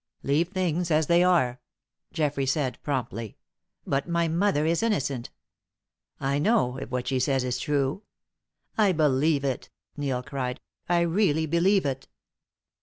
"Leave things as they are," Geoffrey said, promptly. "But my mother is innocent." "I know if what she says is true." "I believe it!" Neil cried. "I really believe it."